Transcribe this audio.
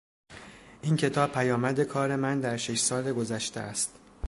این کتاب پیامد کار من در شش سال گذشته است.